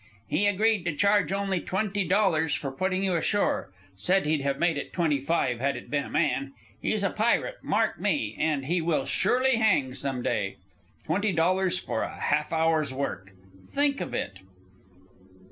"He agreed to charge only twenty dollars for putting you ashore. Said he'd have made it twenty five had it been a man. He's a pirate, mark me, and he will surely hang some day. Twenty dollars for a half hour's work! Think of it!"